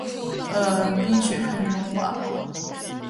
冰雪开始融化